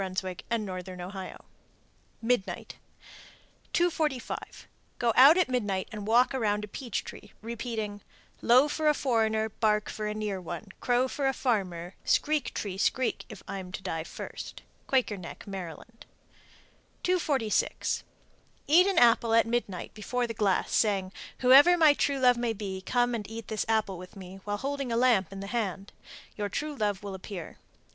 and Northern Ohio._ MIDNIGHT. 245. Go out at midnight and walk around a peach tree, repeating, Low for a foreigner, Bark for a near one, Crow for a farmer, Screek, tree, screek, if I'm to die first. Quaker Neck, Md. 246. Eat an apple at midnight before the glass, saying, "Whoever my true love may be, come and eat this apple with me," while holding a lamp in the hand. Your true love will appear.